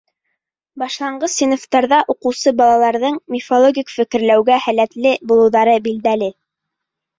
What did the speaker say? Башланғыс синыфтарҙа уҡыусы балаларҙың мифологик фекерләүгә һәләтле булыуҙары билдәле.